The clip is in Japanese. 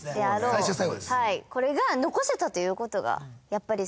最初で最後です。